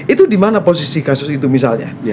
itu di mana posisi kasus itu misalnya